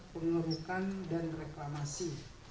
penerbukan dan reklamasi